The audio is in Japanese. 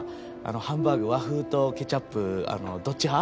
ハンバーグ和風とケチャップどっち派？